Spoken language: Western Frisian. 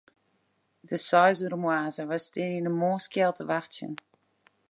It is seis oere moarns en wy steane yn 'e moarnskjeld te wachtsjen.